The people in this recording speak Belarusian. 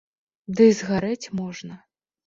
Ды і згарэць можна!